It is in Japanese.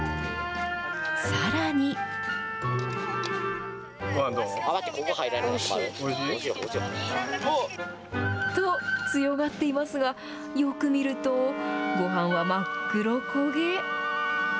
さらに。と、強がっていますが、よく見ると、ごはんは真っ黒焦げ。